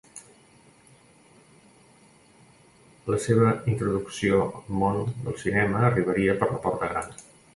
La seva introducció al món del cinema arribaria per la porta gran.